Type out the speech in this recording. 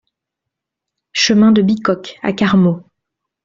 Chemin de Bicoq à Carmaux